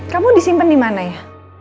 kamu disimpan di mana ya